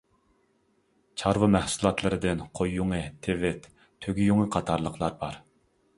چارۋا مەھسۇلاتلىرىدىن قوي يۇڭى، تىۋىت، تۆگە يۇڭى قاتارلىقلار بار.